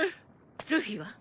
ルフィは？